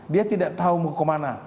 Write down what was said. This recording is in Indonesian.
dia tidak tahu mau kemana